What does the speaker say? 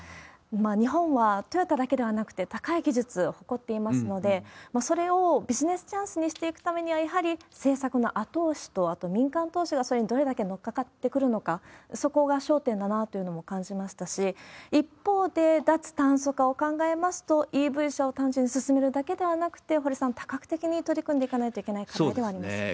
日本はトヨタだけではなくて、高い技術を誇っていますので、それをビジネスチャンスにしていくためには、やはり政策の後押しと、あと民間投資がそれにどれだけ乗っかかってくるのか、そこが焦点だなというのも感じましたし、一方で、脱炭素化を考えますと、ＥＶ車を単純に進めるだけではなくて、堀さん、多角的に取り組んでいかないといけないと思いますよね。